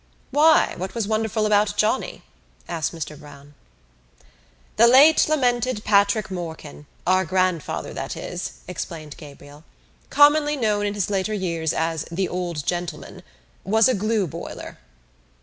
"Why, what was wonderful about Johnny?" asked Mr Browne. "The late lamented Patrick Morkan, our grandfather, that is," explained Gabriel, "commonly known in his later years as the old gentleman, was a glue boiler."